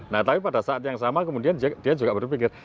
nah tapi pada saat yang sama kemudian dia juga berpikir